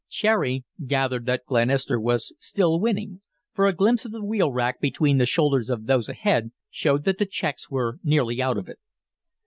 Cherry gathered that Glenister was still winning, for a glimpse of the wheel rack between the shoulders of those ahead showed that the checks were nearly out of it.